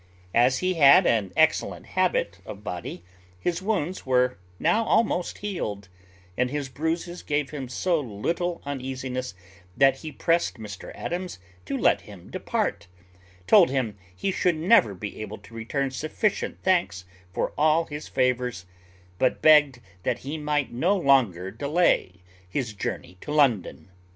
As he had an excellent habit of body, his wounds were now almost healed; and his bruises gave him so little uneasiness, that he pressed Mr Adams to let him depart; told him he should never be able to return sufficient thanks for all his favours, but begged that he might no longer delay his journey to London.